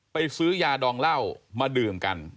ซื้อยาดองเหล้ามาดื่มกัน